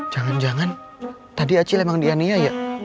jangan jangan tadi acil emang diania ya